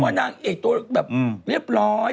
นางเอกตัวแบบเรียบร้อย